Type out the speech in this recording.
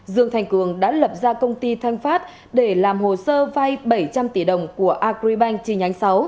dương thành cường đã lập ra công ty thanh phát để làm hồ sơ vay bảy trăm linh tỷ đồng của agribank chi nhánh sáu